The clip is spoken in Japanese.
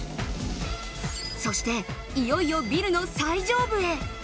そして、いよいよビルの最上部へ。